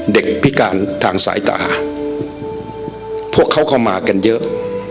พิการทางสายตาพวกเขาก็มากันเยอะ